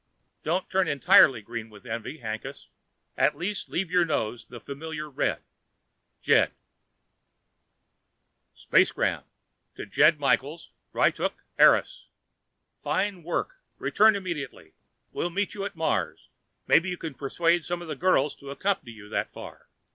Don't turn entirely green with envy, Hankus. At least leave your nose the familiar red. Jed SPACEGRAM To: Jed Michaels, Ryttuk, Eros FINE WORK. RETURN IMMEDIATELY. WILL MEET YOU AT MARS. MAYBE YOU CAN PERSUADE SOME OF THE GIRLS TO ACCOMPANY YOU THAT FAR.